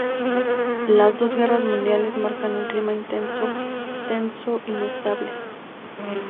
Las dos guerras mundiales marcan un clima tenso e inestable.